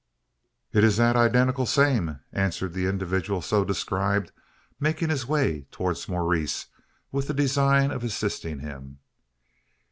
"It ur thet eyedenticul same," answered the individual so described, making his way towards Maurice with the design of assisting him.